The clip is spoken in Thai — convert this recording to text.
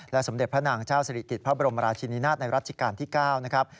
สมเด็จพระนางเจ้าศิริกิจพระบรมราชินินาศในรัชกาลที่๙นะครับ